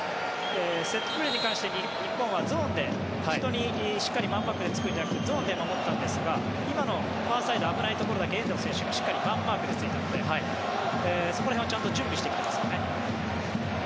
セットプレーに関して日本はゾーンで人にしっかりマンマークでつくんじゃなくてゾーンで守ってたんですが今のファーサイド危ないところだけ遠藤選手がしっかりマンマークでついてたのでそこら辺はちゃんと準備してきてますよね。